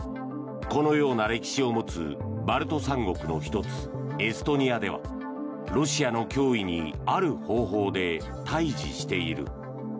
このような歴史を持つバルト三国の１つエストニアではロシアの脅威にある方法で対峙している。